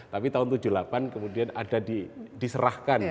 tapi tahun seribu sembilan ratus tujuh puluh delapan kemudian ada diserahkan